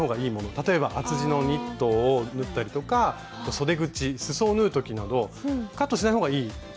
例えば厚地のニットを縫ったりとかそで口すそを縫う時などカットしない方がいい場合もあるんです。